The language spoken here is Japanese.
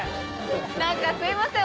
何かすいません